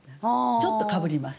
ちょっとかぶります。